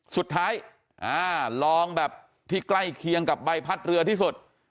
สุดท้ายลองแบบที่ใกล้เคียงกับใบพัดเรือที่สุด